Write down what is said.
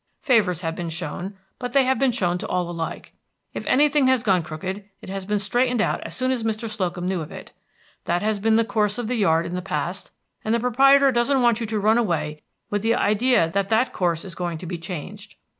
Favors have been shown, but they have been shown to all alike. If anything has gone crooked, it has been straightened out as soon as Mr. Slocum knew of it. That has been the course of the yard in the past, and the Proprietor doesn't want you to run away with the idea that that course is going to be changed.